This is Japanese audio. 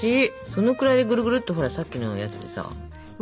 そのくらいぐるぐるっとさっきのやつでさ。